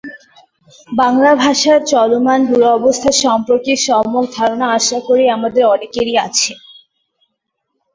বাংলা ভাষার চলমান দুরবস্থা সম্পর্কে সম্যক ধারণা আশা করি আমাদের অনেকেরই আছে।